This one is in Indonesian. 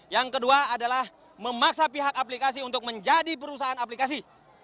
yang kedua adalah memaksa pihak aplikasi untuk menjadi perusahaan aplikasi